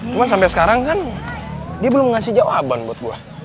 cuma sampai sekarang kan dia belum ngasih jawaban buat gue